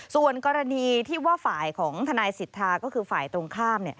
ส่วนกรณีที่ว่าฝ่ายของทนายสิทธาก็คือฝ่ายตรงข้าม